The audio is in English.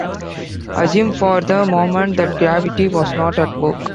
Assume for the moment that gravity was not at work.